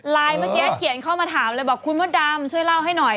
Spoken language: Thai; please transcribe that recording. เมื่อกี้เขียนเข้ามาถามเลยบอกคุณมดดำช่วยเล่าให้หน่อย